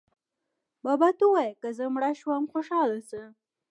بابا ته ووایئ که زه مړه شوم خوشاله شه.